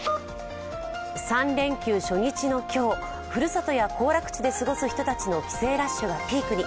３連休初日の今日、ふるさとや行楽地で過ごす人たちの帰省ラッシュがピークに。